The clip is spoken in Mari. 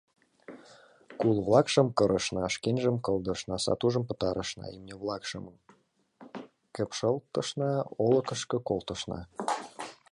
Кул-влакшым кырышна, шкенжым кылдышна, сатужым пытарышна, имне-влакшым кепшылтышна, олыкышко колтышна.